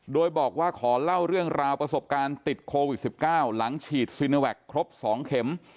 โดยบอกว่าขอเล่าเรื่องราวประสบการณ์ติดโควิด๑๙หลังฉีดซีโนแวคครบ๒เข็ม